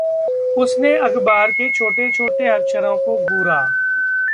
उसने अखबार के छोटे-छोटे अक्षरों को घूरा।